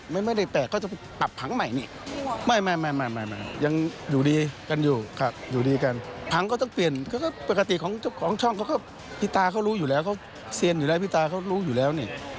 ผมก็โดนเหมือนกันฮันนี่หรือผมก็โดน